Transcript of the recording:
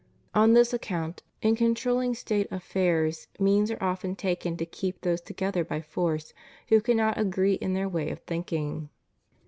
On this account, in controlhng State affairs means are often taken to keep those together by force who cannot agree in their way of thinking.